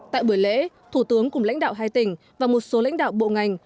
tại buổi lễ thủ tướng cùng lãnh đạo hai tỉnh và một số lãnh đạo bộ ngành